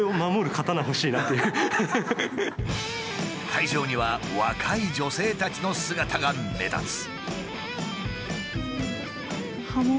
会場には若い女性たちの姿が目立つ。